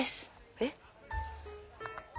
えっ。